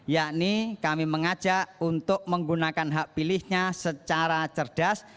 yakni kami mengajak untuk menggunakan hak pilihnya secara cerdas